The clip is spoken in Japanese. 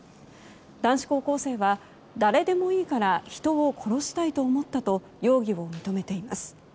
男子高校生は、誰でもいいから人を殺したいと思ったと容疑を認めています。